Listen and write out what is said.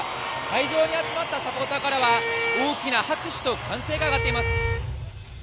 会場に集まったサポーターからは大きな拍手と歓声が上がっています。